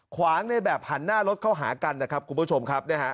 ขวางในแบบหันหน้ารถเข้าหากันนะครับคุณผู้ชมครับ